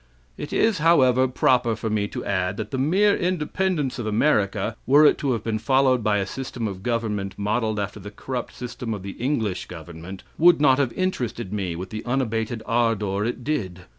It is, however, proper for me to add that the mere independence of America, were it to have been followed by a system of government modeled after the corrupt system of the English government, would not have interested me with the unabated ardor it did.